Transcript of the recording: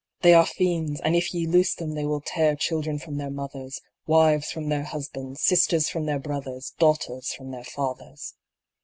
They are fiends, and if ye loose them they will tear chil dren from their mothers, wives from their husbands, sisters from their brothers, daughters from their fathers.